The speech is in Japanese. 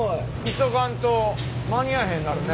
急がんと間に合わへんなるね。